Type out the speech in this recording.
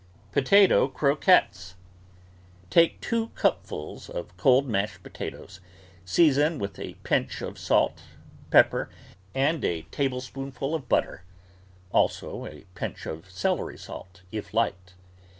POTATO CROQUETS Take two cupfuls of cold mashed potatoes, season with a pinch of salt, pepper, and a tablespoonful of butter (also a pinch of celery salt, if liked).